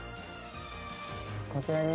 こちらに。